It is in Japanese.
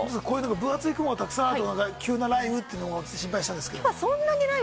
分厚い雲がたくさんあると急な雷雨を心配したんですけれども。